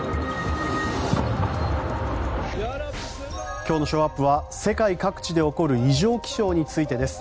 今日のショーアップは世界各地で起こる異常気象についてです。